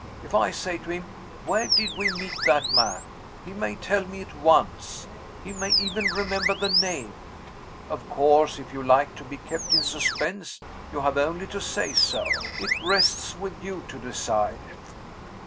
If I say to him, 'Where did we meet that man?' he may tell me at once he may even remember the name. Of course, if you like to be kept in suspense, you have only to say so. It rests with you to decide."